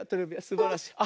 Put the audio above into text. すばらしい。